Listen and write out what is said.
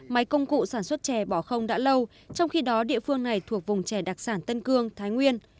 máy công cụ sản xuất chè bỏ không đã lâu trong khi đó địa phương này thuộc vùng chè đặc sản tân cương thái nguyên